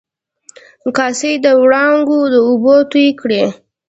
کاسي د و ړانګو د اوبو توی کړي